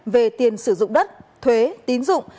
về tiền sử dụng đất thuế tín dụng